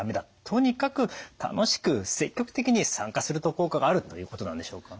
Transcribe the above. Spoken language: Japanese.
とにかく楽しく積極的に参加すると効果があるということなんでしょうか？